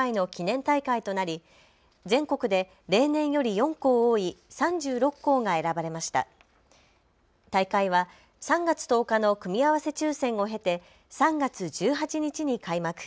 大会は３月１０日の組み合わせ抽せんを経て３月１８日に開幕。